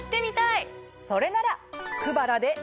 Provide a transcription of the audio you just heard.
それなら。